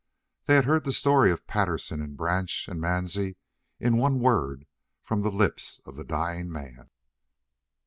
They had heard the story of Patterson and Branch and Mansie in one word from the lips of the dying man.